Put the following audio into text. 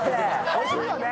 惜しいよね？